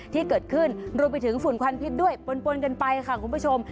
ที่เกิดขึ้นรวมไปถึงฝุ่นควันพิษด้วยปนกันไปค่ะคุณผู้ชม